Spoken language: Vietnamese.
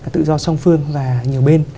tự do song phương và nhiều bên